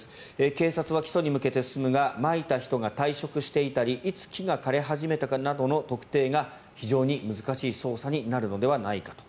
警察は起訴に向けて進むがまいた人が退職していたりいつ木が枯れ始めたかなどの特定が非常に難しい捜査になるのではないかと。